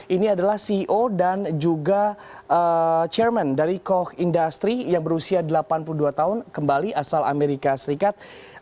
ini adalah ceo dan juga chairman dari coch industry yang berusia delapan puluh dua tahun kembali asal amerika serikat